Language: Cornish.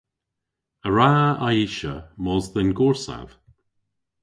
A wra Aisha mos dhe'n gorsav?